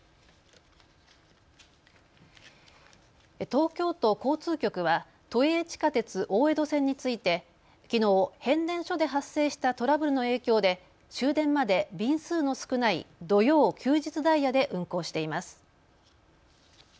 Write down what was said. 東京都交通局は都営地下鉄大江戸線についてきのう変電所で発生したトラブルの影響で終電まで便数の少ない土曜・休日ダイヤで運行しています。